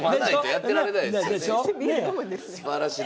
すばらしい。